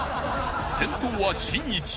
［先頭はしんいち］